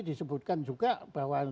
disebutkan juga bahwa